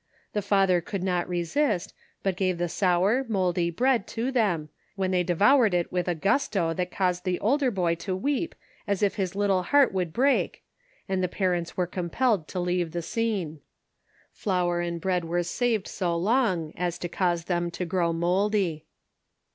The father could not resist, but gave the sour, mouldy bread to them, when they devoured it with a gusto that caused the older boy to weep as if his little heart would break, and the paroiits were compelled to leave the scene. Flour and bread were saved so long as to cause them to grow mouldy.